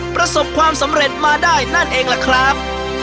ประสบความสำเร็จมาได้นั่นเองล่ะครับ